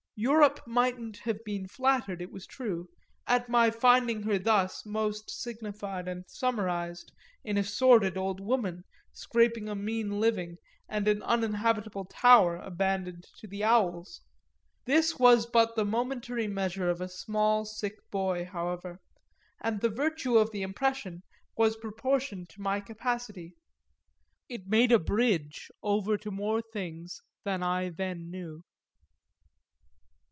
Europe mightn't have been flattered, it was true, at my finding her thus most signified and summarised in a sordid old woman scraping a mean living and an uninhabitable tower abandoned to the owls; that was but the momentary measure of a small sick boy, however, and the virtue of the impression was proportioned to my capacity. It made a bridge over to more things than I then knew.